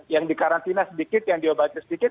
yang dikarantina sedikit yang diobati sedikit